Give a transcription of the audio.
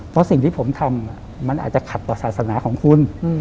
เพราะสิ่งที่ผมทำมันอาจจะขัดต่อศาสนาของคุณ